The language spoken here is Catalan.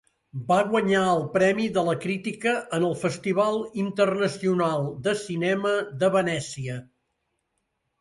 Va guanyar el Premi de la Crítica en el Festival Internacional de Cinema de Venècia.